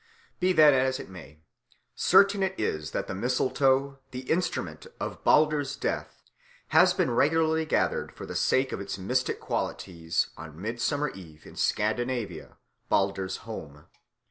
Be that as it may, certain it is that the mistletoe, the instrument of Balder's death, has been regularly gathered for the sake of its mystic qualities on Midsummer Eve in Scandinavia, Balder's home.